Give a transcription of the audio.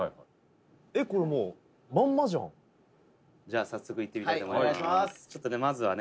「えっこれもう「じゃあ早速いってみたいと思います」